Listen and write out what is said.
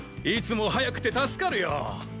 いつも早くて助かるよ。